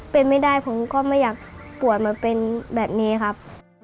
เป็นไม่ได้ผมก็ไม่อยากป่วยมาเป็นแบบนี้ครับ